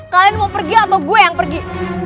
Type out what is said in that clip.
kalian mau pergi atau gue yang pergi